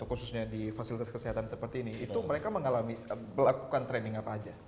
khususnya di fasilitas kesehatan seperti ini mereka melakukan training apa saja